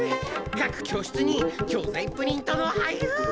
かく教室に教ざいプリントの配布！